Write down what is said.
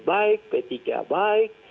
baik dengan pkb baik